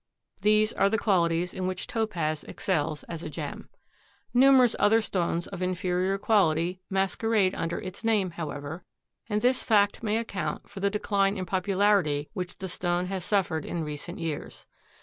These are the qualities in which Topaz excels as a gem. Numerous other stones of inferior quality masquerade under its name, however, and this fact may account for the decline in popularity which the stone has suffered in recent years.